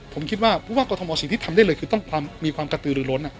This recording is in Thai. ผมคิดว่าผู้ว่ากรทมสิ่งที่ทำได้เลยคือต้องมีความกระตือหรือล้น